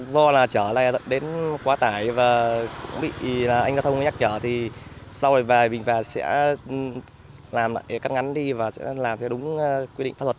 do là chở lại đến quá tải và cũng bị anh giao thông nhắc chở thì sau này vài bình phạt sẽ làm lại cắt ngắn đi và sẽ làm theo đúng quy định pháp luật